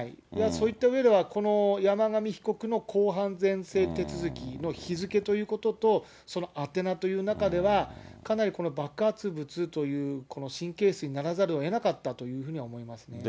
そういったうえでは、山上被告の公判前整理手続きの日付ということと、その宛名という中では、かなり爆発物という、神経質にならざるをえなかったというふうには思いますね。